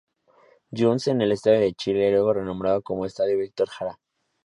Guns en el estadio de Chile, luego renombrado como Estadio Víctor Jara.